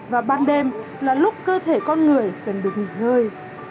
và ban đêm là lúc cơ thể con người cần được nghỉ ngơi